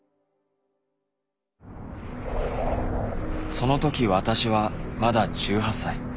そのとき私はまだ１８歳。